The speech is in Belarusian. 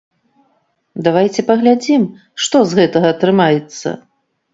Давайце паглядзім, што з гэтага атрымаецца.